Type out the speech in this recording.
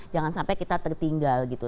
jangan sampai kita tertinggal gitu